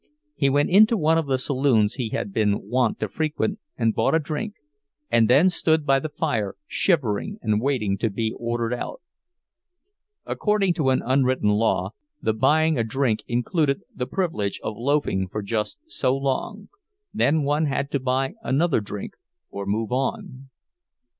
He went into one of the saloons he had been wont to frequent and bought a drink, and then stood by the fire shivering and waiting to be ordered out. According to an unwritten law, the buying a drink included the privilege of loafing for just so long; then one had to buy another drink or move on.